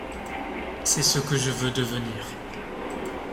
C’est ce que je veux devenir.